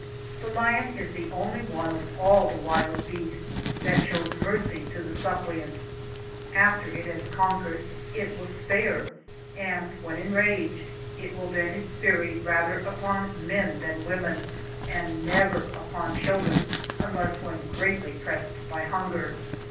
The lion is the only one of all the wild beasts that shows mercy to the suppliant ; after it has conquered, it will spare,^ and when enraged, it will vent its fury rather upon men than women, and never upon children, unless when greatly pressed by hunger.